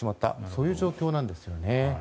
そういう状況なんですよね。